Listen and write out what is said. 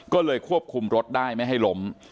ก็เลยควบคุมรถได้ไม่ให้ล้ม